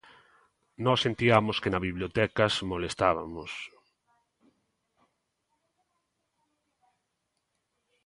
Nós sentiamos que na bibliotecas molestabamos.